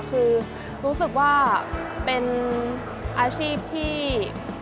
คือรู้สึกว่าเป็นอาชีพที่มีความมั่นที่สามารถ